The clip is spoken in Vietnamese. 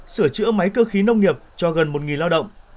sửa chữa máy cơ khí nông nghiệp cho gần một lao động